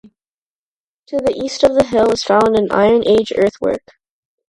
To the east of the hill is found an Iron Age earthwork.